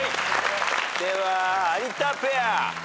では有田ペア。